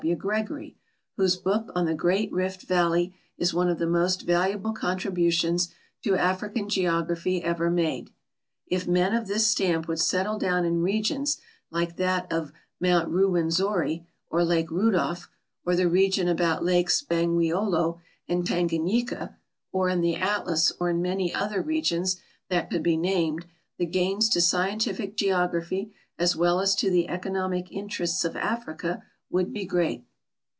W. Gregory, whose book on the Great Rift valley is one of the most valuable contributions to African geography ever made. If men of this stamp would settle down in regions like that of Mount Ruwen zori or. Lake Rudolf or the region about lakes Bangweolo and Tanganyika, or in the Atlas or in many other regions that could be named, the gains to scientific geography, as well as to the eco nomic interests of Africa, would be great.